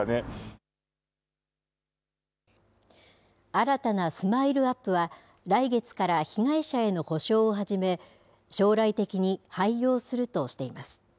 新たなＳＭＩＬＥーＵＰ．は、来月から被害者への補償を始め、将来的に廃業するとしています。